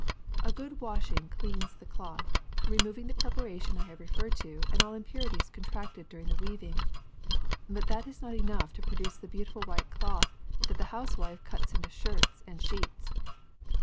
A good washing cleans the cloth, removing the preparation I have referred to and all impurities contracted during the weaving. But that is not enough to produce the beautiful white cloth that the housewife cuts into shirts and sheets.